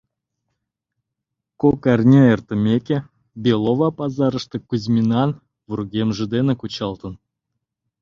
Кок арня эртымеке, Белова пазарыште Кузьминан вургемже дене кучалтын.